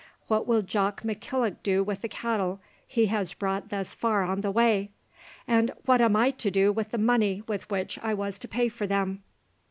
What will Jock McKillock do with the cattle he has brought thus far on the way? and what am I to do with the money with which I was to pay for them?"